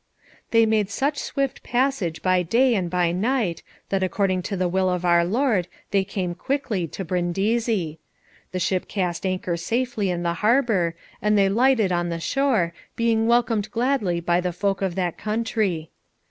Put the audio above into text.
They made such swift passage by day and by night, that according to the will of Our Lord they came quickly to Brindisi. The ship cast anchor safely in the harbour, and they lighted on the shore, being welcomed gladly by the folk of that country.